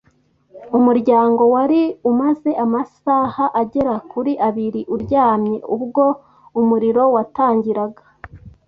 Umuryango wari umaze amasaha agera kuri abiri uryamye ubwo umuriro watangiraga.